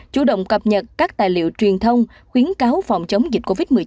chủ động cập nhật các tài liệu truyền thông khuyến cáo phòng chống dịch covid một mươi chín